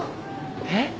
えっ？